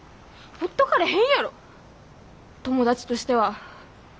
ほっとかれへんやろ友達としては。